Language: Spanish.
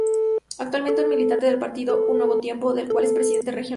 Actualmente es militante del partido Un Nuevo Tiempo, del cual es presidente regional.